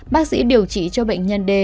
bác sĩ điều trị cho bệnh nhân đê